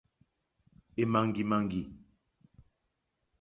Èmàŋɡìmàŋɡì.